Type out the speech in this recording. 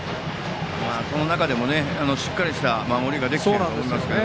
その中でもしっかりした守りができていると思います。